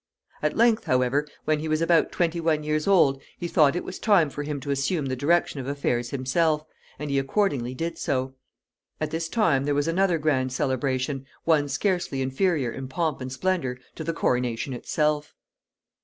At length, however, when he was about twenty one years old, he thought it was time for him to assume the direction of affairs himself, and he accordingly did so. At this time there was another grand celebration, one scarcely inferior in pomp and splendor to the coronation itself.